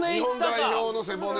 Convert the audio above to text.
日本代表の背骨。